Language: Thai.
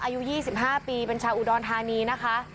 อายุ๒๕ปีเป็นชาวอุดรธานีนะคะ